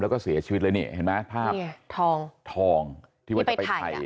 แล้วก็เสียชีวิตเลยนี่เห็นไหมภาพทองทองที่ว่าจะไปถ่าย